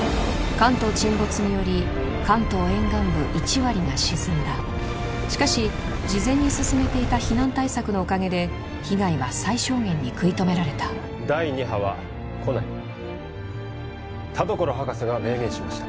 関東沈没により関東沿岸部１割が沈んだしかし事前に進めていた避難対策のおかげで被害は最小限に食い止められた第二波はこない田所博士が明言しました